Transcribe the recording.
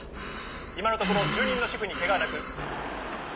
「今のところ住人の主婦に怪我はなく」